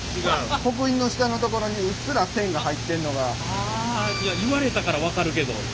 あ言われたから分かるけど。